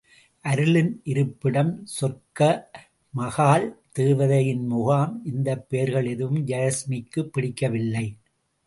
அருளின் இருப்பிடம் சொர்க்க மகால் தேவதையின் முகாம் இந்தப் பெயர்கள் எதுவும் யாஸ்மிக்குப் பிடிக்கவில்லை.